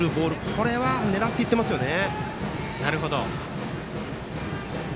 これは狙っていってますね。